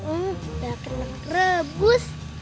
udah kena rebus